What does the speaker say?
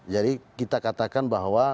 jadi kita katakan bahwa